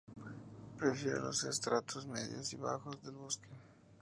Prefiere los estratos medios y bajos del bosque.